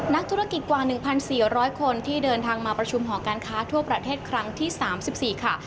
นักธุรกิจกว่า๑๔๐๐คนที่เดินทางมาประชุมหอการค้าทั่วประเทศครั้งที่๓๔ค่ะ